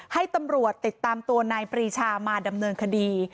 ให้ตำรวจติดตามตัวนายปรีชามาดำเนินคดี